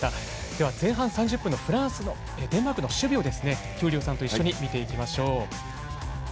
では、前半３０分のフランス、デンマークの守備をですね、闘莉王さんと一緒に見ていきましょう。